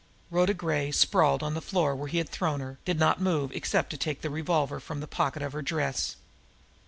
Rhoda Gray, sprawled on the floor where he had thrown her, did not move except to take the revolver from the pocket of her dress.